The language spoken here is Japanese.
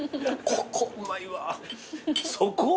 ここうまい。